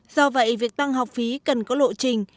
do vậy việc tăng học phí cần có lộ trình